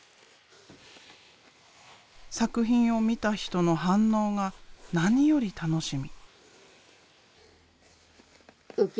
作品を見た人の反応が何より楽しみ。